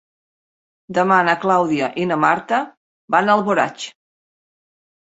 Demà na Clàudia i na Marta van a Alboraig.